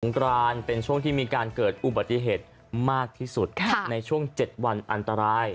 กรานเป็นช่วงที่มีการเกิดอุบัติเหตุมากที่สุดในช่วง๗วันอันตราย